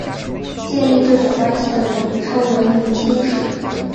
建立这种关系的人称为拟亲属。